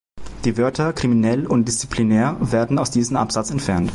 Die Wörter "kriminell" und "disziplinär" werden aus diesem Absatz entfernt.